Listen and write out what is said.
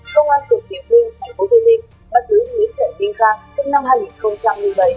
công an cửa tiệm huynh thành phố thế nịnh bắt giữ nguyễn trần vinh kha sinh năm hai nghìn một mươi bảy